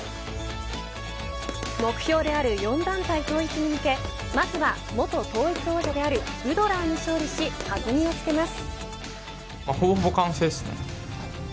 目標である４団体統一に向けまずは元統一王者であるブドラーに勝利し弾みをつけます。